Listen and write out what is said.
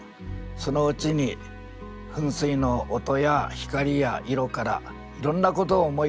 そのうちに噴水の音や光や色からいろんなことを思い出した。